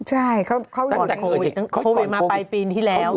ใช่เขาอยู่ตั้งแต่โควิดโควิดมาปลายปีที่แล้ว